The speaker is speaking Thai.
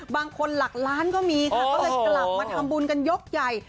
บางคนหลักล้านก็มีค่ะก็เลยกลับมาทำบุญกันยกใหญ่